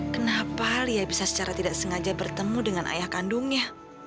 kenapa lia bisa secara tidak sengaja bertemu dengan ayah kandungnya